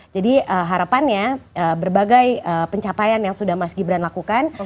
jadi harapannya berbagai pencapaian yang sudah mas gibran lakukan